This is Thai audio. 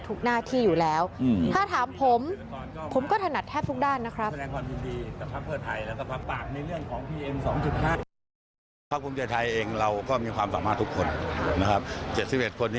ทุกหน้าที่อยู่แล้วถ้าถามผม